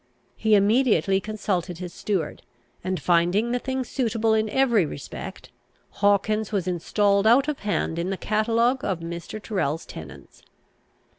He immediately consulted his steward, and, finding the thing suitable in every respect, Hawkins was installed out of hand in the catalogue of Mr. Tyrrel's tenants.